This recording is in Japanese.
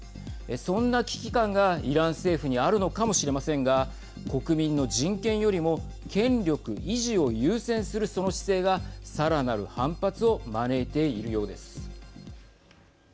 そんな危機感がイラン政府にあるのかもしれませんが国民の人権よりも権力維持を優先する、その姿勢がさらなる反発を招いているようです。